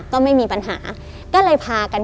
ก็ไม่มีปัญหาก็เลยพากัน